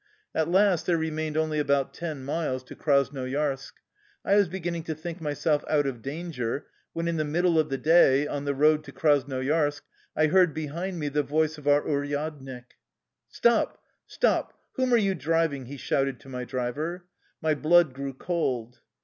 At last there remained only about ten miles to Krasnoyarsk. I was beginning to think myself out of danger, when in the middle of the day, on the road to Krasnoyarsk, I heard behind me the voice of our uryadnik. " Stop, stop ! Whom are you driving?" he shouted to щу driver. My blood grew cold.